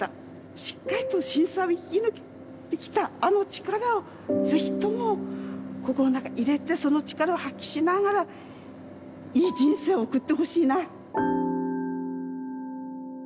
しっかりと震災を生き抜いてきたあの力を是非とも心の中入れてその力を発揮しながらいい人生を送ってほしいな。